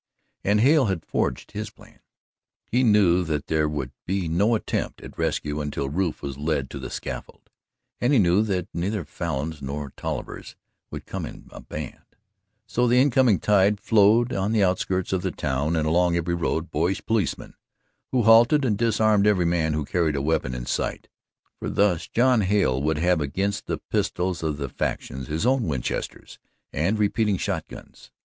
And Hale had forged his plan. He knew that there would be no attempt at rescue until Rufe was led to the scaffold, and he knew that neither Falins nor Tollivers would come in a band, so the incoming tide found on the outskirts of the town and along every road boyish policemen who halted and disarmed every man who carried a weapon in sight, for thus John Hale would have against the pistols of the factions his own Winchesters and repeating shot guns.